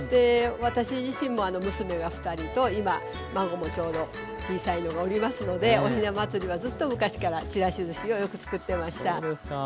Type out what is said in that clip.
私自身も娘が２人と今孫もちょうど小さいのがおりますのでおひな祭りはずっと昔からちらしずしをよく作ってました。